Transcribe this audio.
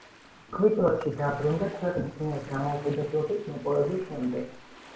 კვიპროსში დაბრუნდა ქვეყნის მიერ დამოუკიდებლობის მოპოვების შემდეგ.